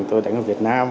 tôi đánh ở việt nam